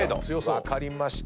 分かりました。